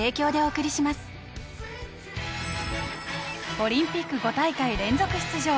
オリンピック５大会連続出場。